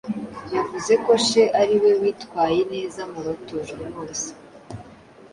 yavuze ko che ari we witwaye neza mu batojwe bose